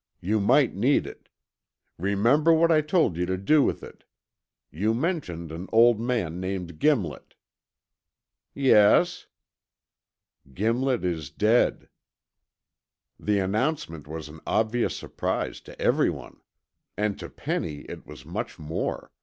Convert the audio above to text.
You might need it. Remember what I told you to do with it. You mentioned an old man named Gimlet." "Yes?" "Gimlet is dead." The announcement was an obvious surprise to everyone. And to Penny it was much more.